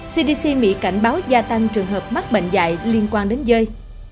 cdc mỹ cảnh báo gia tăng trường hợp mắc bệnh dạy liên quan đến dây